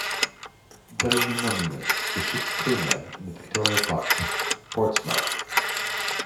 There is a monument to the ship's crew men in Victoria Park, Portsmouth.